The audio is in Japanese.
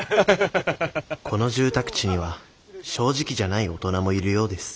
この住宅地には正直じゃない大人もいるようです